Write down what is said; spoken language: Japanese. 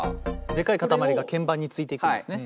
でかい塊が鍵盤についていくんですね。